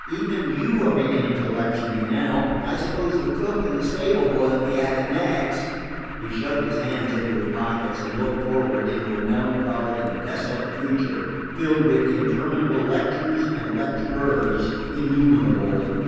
"Even you are beginning to lecture me now. I suppose the cook and the stable boy will be at it next." He shoved his hands into his pockets and looked forward into a melancholy and desolate future filled with interminable lectures and lecturers innumerable.